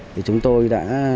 thì chúng tôi đã